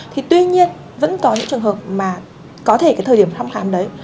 thì tuy nhiên vẫn có những trường hợp mà có thể cái thời điểm thăm khám đấy